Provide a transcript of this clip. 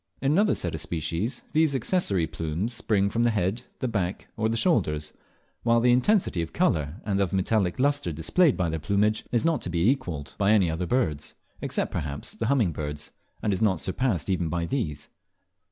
In another set of species these accessory plumes spring from the head, the back, or the shoulders; while the intensity of colour and of metallic lustre displayed by their plumage, is not to be equalled by any other birds, except, perhaps, the humming birds, and is not surpassed even by these.